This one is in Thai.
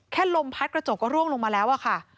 ลมพัดกระจกก็ร่วงลงมาแล้วอะค่ะ